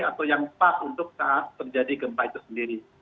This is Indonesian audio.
atau yang pas untuk saat terjadi gempa itu sendiri